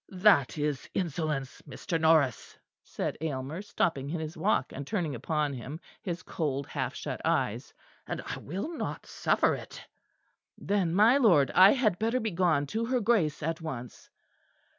"That is insolence, Mr. Norris," said Aylmer, stopping in his walk and turning upon him his cold half shut eyes, "and I will not suffer it." "Then, my lord, I had better begone to her Grace at once."